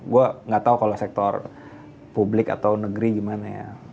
gue gak tau kalau sektor publik atau negeri gimana ya